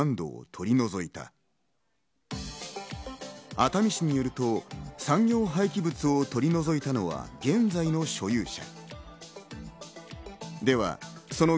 熱海市によると、産業廃棄物を取り除いたのは現在の所有者。